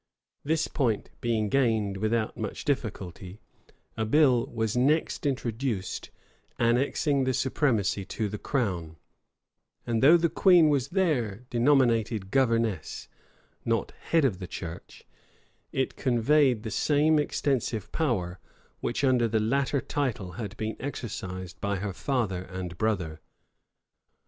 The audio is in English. This point being gained without much difficulty, a bill was next introduced, annexing the supremacy to the crown; and though the queen was there denominated "governess," not "head," of the church, it conveyed the same extensive power which under the latter title had been exercised by her father and brother.